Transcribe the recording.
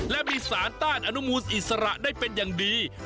และมีสารต้านอนุมูลอิสระได้เป็นอย่างดี